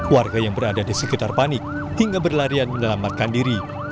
warga yang berada di sekitar panik hingga berlarian menyelamatkan diri